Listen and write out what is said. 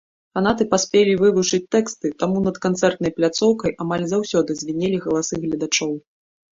Фанаты паспелі вывучыць тэксты, таму над канцэртнай пляцоўкай амаль заўсёды звінелі галасы гледачоў.